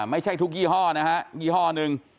ไม่ใช่ทุกยี่ห้อนะฮะยี่ห้อหนึ่ง